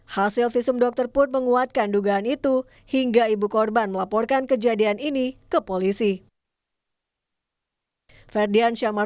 hasil visum dokter pun menguatkan dugaan itu hingga ibu korban melaporkan kejadian ini ke polisi